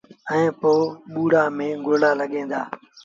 ائيٚݩ پو ٻُوڙآݩ ميݩ گوگڙآ لڳيٚن دآ